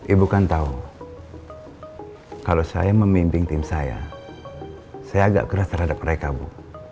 ibu kan tahu kalau saya memimbing tim saya saya agak keras terhadap mereka bu